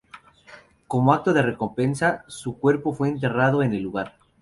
Como acto de recompensa, su cuerpo fue enterrado en el lugar.